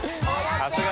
さすが。